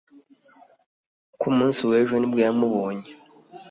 ku munsi w'ejo ni bwo yamubonye